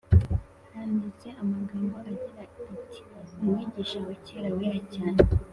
handitse amagambo agira ati “umwigisha wa kerawera cyane.